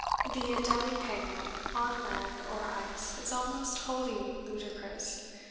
The Adélie penguin on land or ice is almost wholly ludicrous.